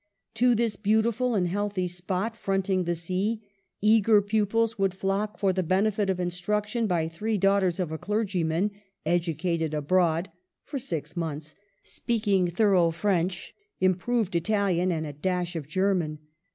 To this beautiful and healthy spot, fronting the sea, eager pupils would flock for the benefit of instruction by three daugh ters of a clergyman, " educated abroad " (for six months), speaking thorough French, improved Italian, and a dash of German.